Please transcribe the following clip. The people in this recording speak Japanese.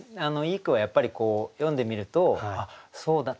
いい句はやっぱり読んでみるとあっそうだ